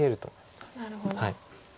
なるほど。